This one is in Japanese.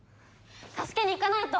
助けに行かないと！